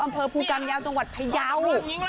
อำเภอภูกรรมยาวจังหวัดพยาว